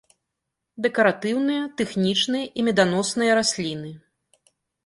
Дэкаратыўныя, тэхнічныя і меданосныя расліны.